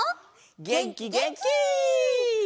げんきげんき！